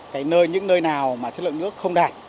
cái nơi những nơi nào mà chất lượng nước không đạt